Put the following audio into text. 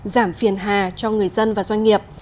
giảm phiền hà cho người dân và doanh nghiệp